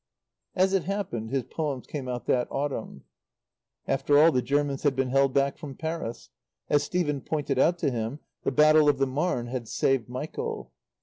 As it happened, his poems came out that autumn. After all, the Germans had been held back from Paris. As Stephen pointed out to him, the Battle of the Marne had saved Michael.